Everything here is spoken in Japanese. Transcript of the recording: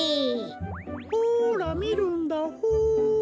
ほらみるんだホー。